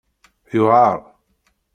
Yuɛeṛ.